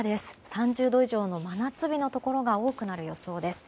３０度以上の真夏日のところが多くなる予想です。